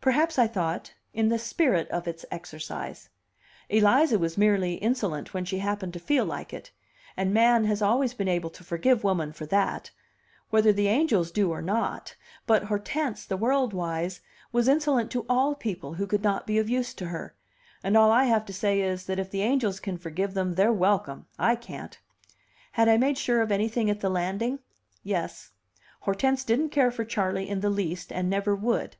Perhaps I thought, in the spirit of its exercise; Eliza was merely insolent when she happened to feel like it; and man has always been able to forgive woman for that whether the angels do or not, but Hortense, the world wise, was insolent to all people who could not be of use to her; and all I have to say is, that if the angels can forgive them, they're welcome; I can't! Had I made sure of anything at the landing? Yes; Hortense didn't care for Charley in the least, and never would.